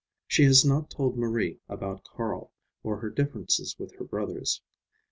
She has not told Marie about Carl, or her differences with her brothers.